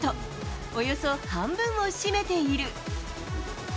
およそ半分を占めている。